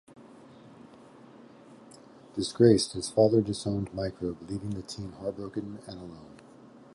Disgraced, his father disowned Microbe, leaving the teen heartbroken and alone.